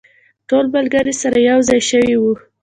ټول ملګري سره یو ځای شوي وو.